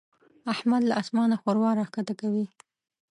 احمد له اسمانه ښوروا راکښته کوي.